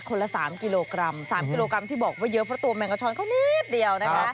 ละ๓กิโลกรัม๓กิโลกรัมที่บอกว่าเยอะเพราะตัวแมงกระชอนเขานิดเดียวนะคะ